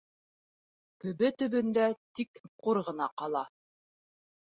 Көбө төбөндә тик ҡур ғына ҡала...